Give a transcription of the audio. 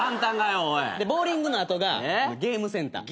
でボウリングの後がゲームセンター。